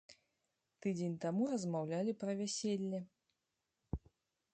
Тыдзень таму размаўлялі пра вяселле!